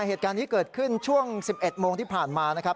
เหตุการณ์นี้เกิดขึ้นช่วง๑๑โมงที่ผ่านมานะครับ